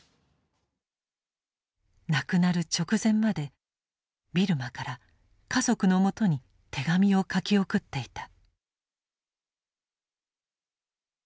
亡くなる直前までビルマから家族のもとに手紙を書き送っていた。